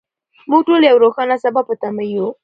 موږ ټول د یو روښانه سبا په تمه یو.